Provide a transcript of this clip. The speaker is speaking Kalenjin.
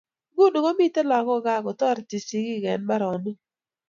Nguni komito lagok kaa ko tareti sigik eng mbaronik